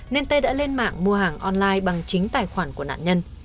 nên tây đã lên mạng mua hàng online bằng chính tài khoản của nạn nhân